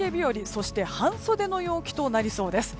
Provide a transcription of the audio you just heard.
そして、半袖の陽気となりそうです。